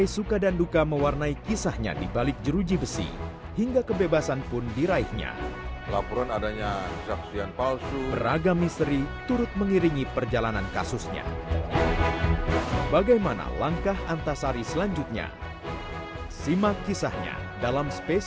sampai jumpa di video selanjutnya